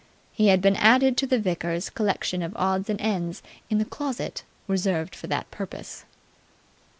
He had been added to the vicar's collection of odds and ends in the closet reserved for that purpose.